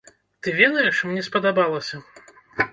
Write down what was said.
Ты ведаеш, мне спадабалася!